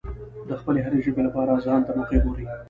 د خپلې هرې ژبې لپاره ځانته موقع ګوري.